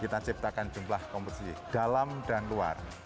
kita ciptakan jumlah kompetisi dalam dan luar